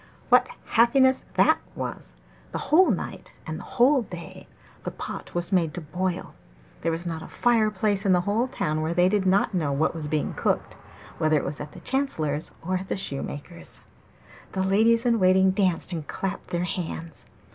What happiness that was! The whole night and the whole day the pot was made to boil; there was not a fire place in the whole town where they did not know what was being cooked, whether it was at the chancellor's or at the shoemaker's. The ladies in waiting danced and clapped their hands.